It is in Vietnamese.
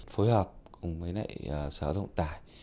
phối hợp cùng với nãy sở động tải